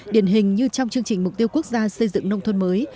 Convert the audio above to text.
điển hình như trong chương trình mục tiêu quốc gia xây dựng nông thôn mới